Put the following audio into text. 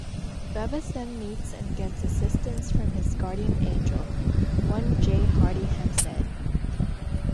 Bevis then meets and gets assistance from his guardian angel, one J. Hardy Hempstead.